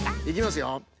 いきますよ。